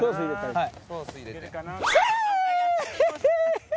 はい。